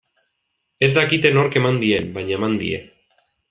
Ez dakite nork eman dien, baina eman die.